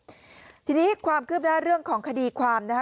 โดยที่นี้ความกึบพละเรื่องของคดีความนะค่ะ